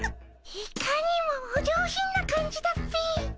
いかにもお上品な感じだっピィ。